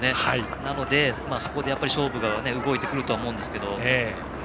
なので、そこで勝負が動いてくると思うんですけど。